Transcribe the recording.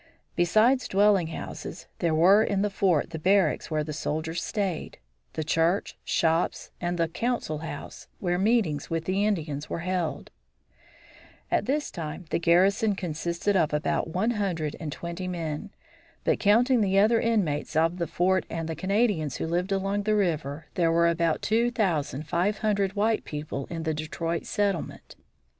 Besides dwelling houses, there were in the fort the barracks where the soldiers stayed, the church, shops, and the council house, where meetings with the Indians were held. At this time the garrison consisted of about one hundred and twenty men. But counting the other inmates of the fort and the Canadians who lived along the river, there were about two thousand five hundred white people in the Detroit settlement.